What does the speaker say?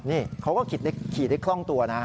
นี่เขาก็ขี่ได้คล่องตัวนะ